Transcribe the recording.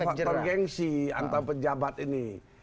ini kan ada faktor gengsi antar penjabat ini